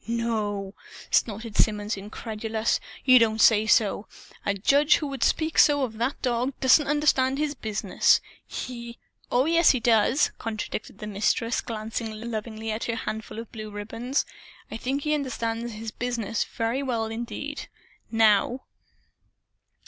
'" "No?" snorted Symonds, incredulous. "You don't say so! A judge who would speak so, of that dog, doesn't understand his business. He " "Oh, yes, he does!" contradicted the Mistress, glancing lovingly at her handful of blue ribbons. "I think he understands his business very well indeed NOW!"